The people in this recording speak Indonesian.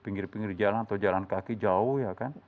pinggir pinggir jalan atau jalan kaki jauh ya kan